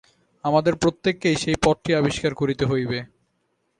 আমাদের প্রত্যেককেই সেই-পথটি আবিষ্কার করিতে হইবে।